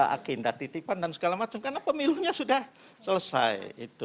agenda titipan dan segala macam karena pemilunya sudah selesai